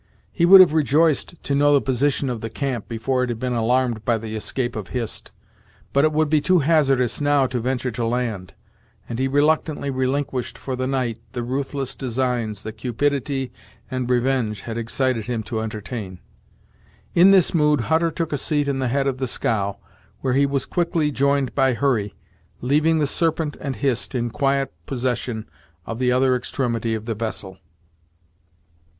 He would have rejoiced to know the position of the camp before it had been alarmed by the escape of Hist, but it would be too hazardous now to venture to land, and he reluctantly relinquished for the night the ruthless designs that cupidity and revenge had excited him to entertain. In this mood Hutter took a seat in the head of the scow, where he was quickly joined by Hurry, leaving the Serpent and Hist in quiet possession of the other extremity of the vessel.